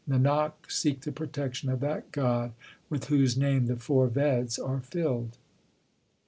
Nanak, seek the protection of that God With whose name the four Veds are filled.